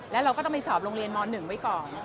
แล้วเราก็ต้องไปสอบโรงเรียนม๑ไว้ก่อน